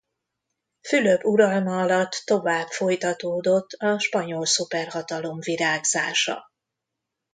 Fülöp uralma alatt tovább folytatódott a spanyol szuperhatalom virágzása.